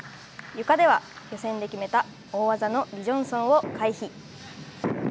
ゆかでは予選を決めた大技のリ・ジョンソンを回避。